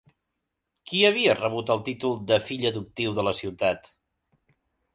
Qui havia rebut el títol de fill adoptiu de la ciutat?